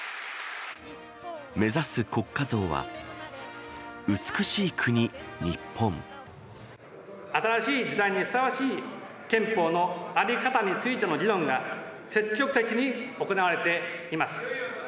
目指す国家像は、美しい国、新しい時代にふさわしい憲法の在り方についての議論が、積極的に行われています。